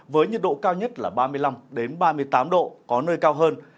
với nhiệt độ cao nhất là ba mươi năm ba mươi tám độ có nơi cao hơn